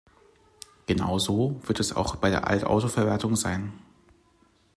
Genauso wird es auch bei der Altautoverwertung sein.